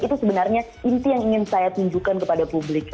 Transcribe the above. itu sebenarnya inti yang ingin saya tunjukkan kepada publik